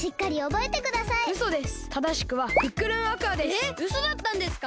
えうそだったんですか！？